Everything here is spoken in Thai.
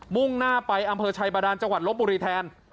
่งหน้าไปอำเภอชัยบาดานจังหวัดลบบุรีแทน